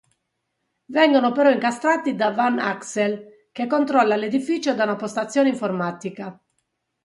Vengono però incastrati da Van Axel, che controlla l'edificio da una postazione informatica.